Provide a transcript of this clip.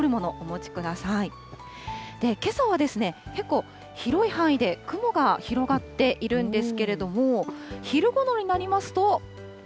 けさは結構広い範囲で雲が広がっているんですけれども、昼ごろになりますと。